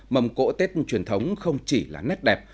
mầm cỗ tết truyền thống không chỉ là nét đẹp